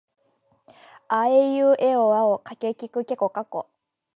あえいうえおあおかけきくけこかこ